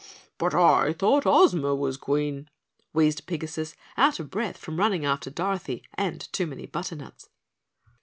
"But I thought Ozma was Queen?" wheezed Pigasus out of breath from running after Dorothy and too many butternuts.